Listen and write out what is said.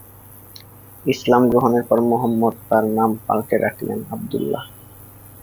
ইসলাম গ্রহণের পর মুহাম্মদ তার নাম পাল্টে রাখলেন আবদুল্লাহ।